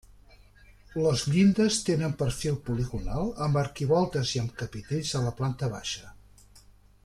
Les llindes tenen perfil poligonal, amb arquivoltes i amb capitells a la planta baixa.